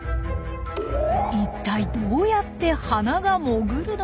いったいどうやって花が潜るのか？